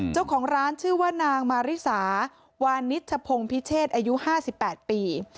เจ้าของร้านชื่อว่านางมาริสาวานิชพงศ์พิเชษอายุ๕๘ปี